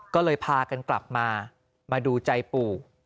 ก็เลยพากันกลับมามาดูใจปู่